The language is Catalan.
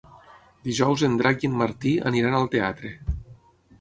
Dijous en Drac i en Martí aniran al teatre.